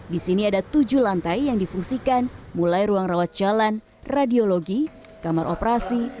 di sini ada tujuh lantai yang difungsikan mulai ruang rawat jalan radiologi kamar operasi